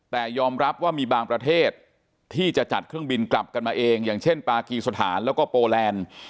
แต่ยอมรับว่ามีบางประเทศที่จะจัดเครื่องบินกลับกันมาเองอย่างเช่นปากีสถานแล้วก็โปแลนด์